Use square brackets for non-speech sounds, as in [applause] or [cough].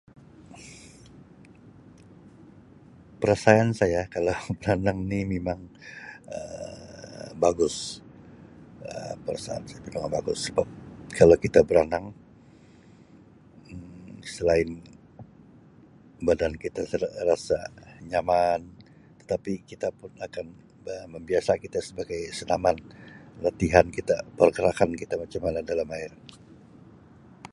Perasaan saya kalau [laughs] Um berenang ni memang Um bagus, perasaan saya sangat bagus sebab kalau kita berenang Um selain badan kita rasa nyaman tetapi kita pun akan membiasa kita sebagai senaman, latihan kita, pergerakan kita macam mana dalam air.